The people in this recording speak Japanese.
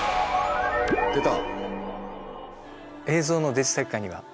出た！